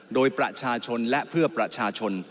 โดยประชาชนและเพื่อประชาชน